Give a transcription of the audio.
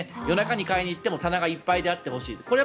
夜中に買いに行っても棚がいっぱいであってほしいと。